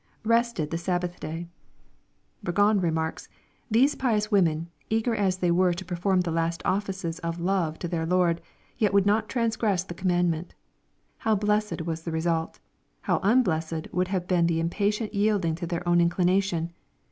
[Rested the Sabbath Day,] Burgon remarks, " These pious wo men, eager as they were to perform the last offices of love to their Lord, yet would not transgress the commandment. How blessed was the result I How unblessed would have been the impatient yielding to their own inclination